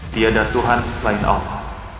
tiada tuhan selain allah